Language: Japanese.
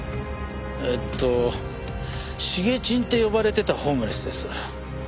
えっとシゲチンって呼ばれてたホームレスです。